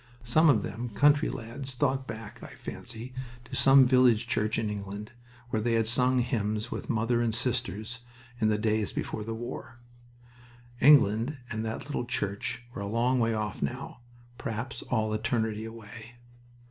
Some of them country lads thought back, I fancy, to some village church in England where they had sung hymns with mother and sisters in the days before the war. England and that little church were a long way off now, perhaps all eternity away.